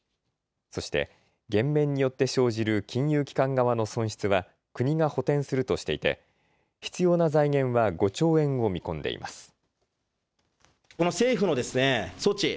そして減免によって生じる金融機関側の損失は国が補填するとしていて必要な財源は５兆円を見込んでいます。